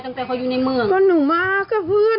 หนูบอกกลัวเพื่อนหนูให้ฝ้ามาส่ง